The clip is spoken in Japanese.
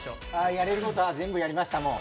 やれることは全部やりました、もう。